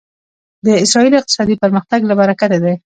د اسرایلو اقتصادي پرمختګ له برکته دی.